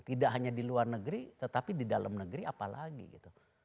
tidak hanya di luar negeri tetapi di dalam negeri apalagi gitu